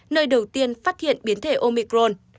nơi đầu tiên phát hiện biến thể omicron